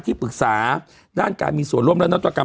ที่ปรึกษาด้านการมีส่วนร่วมและนัตรกรรม